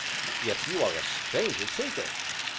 "Yet you are a stranger tinker."